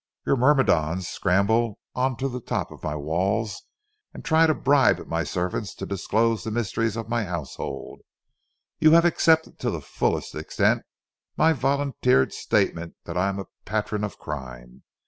Your myrmidons scramble on to the top of my walls and try to bribe my servants to disclose the mysteries of my household. You have accepted to the fullest extent my volunteered statement that I am a patron of crime.